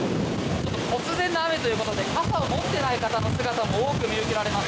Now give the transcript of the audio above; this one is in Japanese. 突然の雨ということで傘を持っていない人の姿も多く見受けられます。